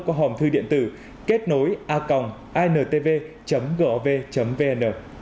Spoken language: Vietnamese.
qua hòm thư điện tử kết nối a g intv gov vn